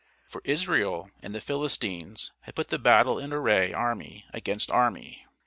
For Israel and the Philistines had put the battle in array army against army.